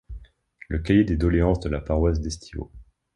Le cahier de doléances de la paroisse d'Estivaux.